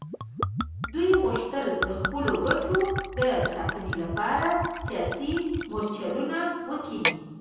دوی غوښتل د خپلو ګټو د ساتنې لپاره سیاسي مورچلونه وکیني.